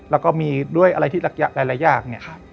แล้วก็มีด้วยอะไรที่หลายอย่างเนี่ย